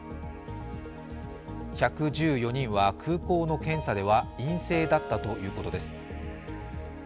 １１４人は空港の検査では陰性だったということです。